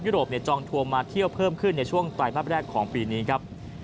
โรปจองทัวร์มาเที่ยวเพิ่มขึ้นในช่วงไตรมาสแรกของปีนี้ครับ